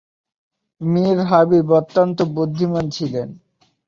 মীর হাবিব অত্যন্ত বুদ্ধিমান ছিলেন।